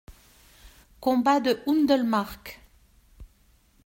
Combat de Hundelmarck.